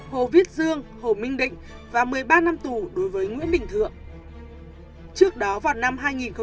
hồ viết dương hồ minh định và một mươi ba năm tù đối với nguyễn bình thượng trước đó vào năm hai nghìn một mươi sáu hai nghìn một mươi bảy